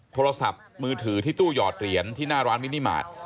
โทรศัพท์มือถือที่ตู้หยอดเหรียญที่หน้าร้านมินิมาตร